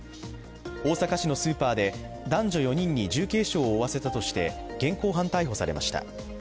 大阪市のスーパーで男女４人に重軽傷を負わせたとして現行犯逮捕されました。